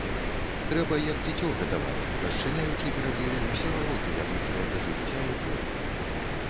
Трэба як дзіцё гадаваць, расчыняючы перад ёю ўсе вароты, вядучыя да жыцця і волі.